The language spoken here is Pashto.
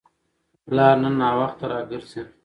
پلار نن ناوخته راګرځي.